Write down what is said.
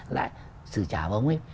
lại xử trả với ông ấy